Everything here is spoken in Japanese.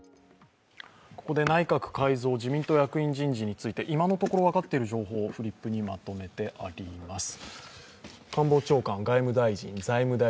ここで内閣改造自民党役員人事について今のところ分かっている情報をフリップにまとめてあります。